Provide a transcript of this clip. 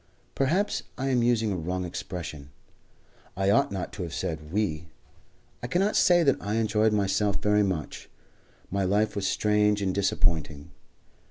Perhaps, however, I am using a wrong expression. I ought not to have said "we." I cannot say that I enjoyed myself very much. My life was strange and disappointing.